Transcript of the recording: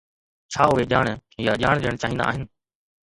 ڇا اهي ڄاڻ يا ڄاڻ ڏيڻ چاهيندا آهن؟